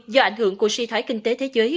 do ảnh hưởng của si thoái kinh tế thế giới